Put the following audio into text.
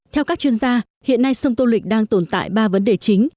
theo các chuyên gia hiện nay sông tô lịch đang tồn tại ba vấn đề chính